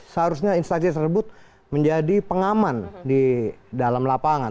seharusnya instansi tersebut menjadi pengaman di dalam lapangan